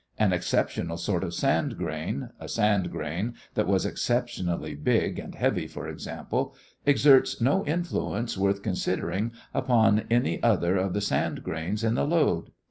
An exceptional sort of sand grain, a sand grain that was exceptionally big and heavy, for example, exerts no influence worth considering upon any other of the sand grains in the load.